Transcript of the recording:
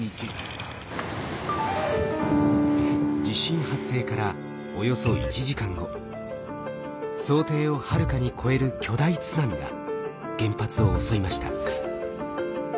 地震発生からおよそ１時間後想定をはるかに超える巨大津波が原発を襲いました。